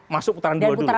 masuk putaran kedua dulu